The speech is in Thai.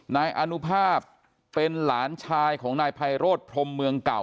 นายอนุภาพเป็นหลานชายของนายไพโรธพรมเมืองเก่า